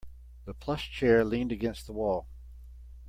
The plush chair leaned against the wall.